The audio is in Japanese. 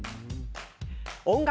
音楽